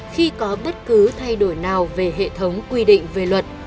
khi có bất cứ thay đổi nào về hệ thống quy định về luật